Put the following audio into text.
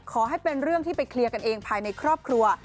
ขอให้เป็นเรื่องที่ไปเคลียร์กันเองภายในครอบครัว